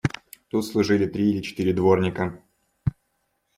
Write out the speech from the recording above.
Тут служили три или четыре дворника.